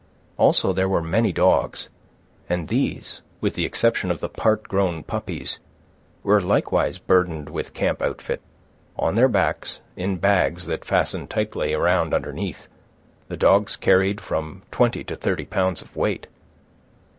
Also there were many dogs; and these, with the exception of the part grown puppies, were likewise burdened with camp outfit. On their backs, in bags that fastened tightly around underneath, the dogs carried from twenty to thirty pounds of weight.